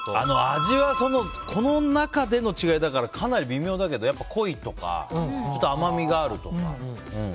味は、この中での違いだからかなり微妙だけどやっぱり濃いとかちょっと甘みがあるとか。